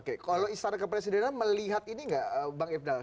kalau istana kepresidenan melihat ini enggak bang ibnal